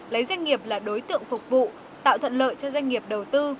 lấy doanh nghiệp là đối tượng phục vụ tạo thuận lợi cho doanh nghiệp đầu tư